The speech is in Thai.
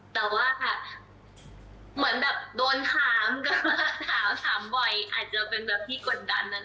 แต่ว่าเหมือนแบบโดนถามก็ถามถามบ่อยอาจจะเป็นแบบที่กดดันนะคะ